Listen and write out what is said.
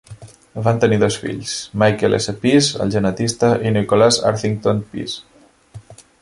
Van tenir dos fills: Michael S. Pease, el genetista, i Nicholas Arthington Pease.